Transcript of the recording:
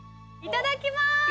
いただきます。